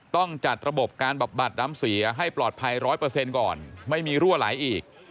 ต้องจัดระบบการบำบัดน้ำเสียให้ปลอดภัย๑๐๐ก่อนไม่มีรั่วไหลอีก